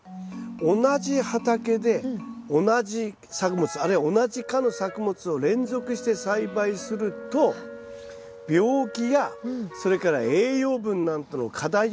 同じ畑で同じ作物あるいは同じ科の作物を連続して栽培すると病気やそれから栄養分なんかの偏りによってですね